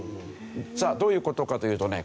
さあどういう事かというとね